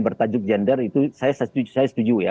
bertajuk gender itu saya setuju ya